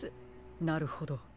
なるほど。